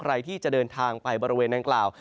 ใครที่จะเดินทางไปบริเวณนางกล่าว